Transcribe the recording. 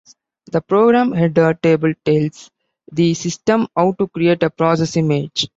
The program header table tells the system how to create a process image.